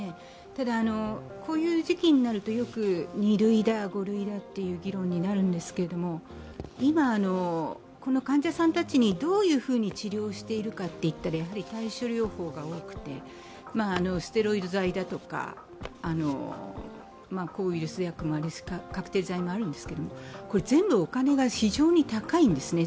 ただ、こういう時期になるとよく２類だ、５類だという議論になるんですけれども今、患者さんたちにどういうふうに治療をしているかというと対処療法が多くて、ステロイド剤だとか、抗ウイルス薬もあるんですけれども、これ全部お金が非常に高いんですね。